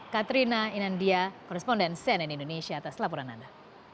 katrina inandia koresponden cnn indonesia atas laporan anda